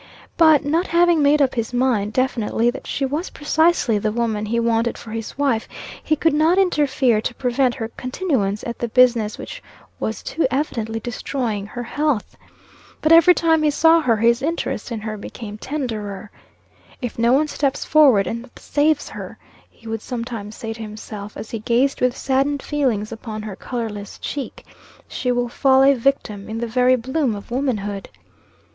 But, not having made up his mind, definitely, that she was precisely the woman he wanted for a wife, he could not interfere to prevent her continuance at the business which was too evidently destroying her health. But every time he saw her his interest in her became tenderer. "If no one steps forward and saves her," he would sometimes say to himself, as he gazed with saddened feelings upon her colorless cheek, "she will fall a victim in the very bloom of womanhood."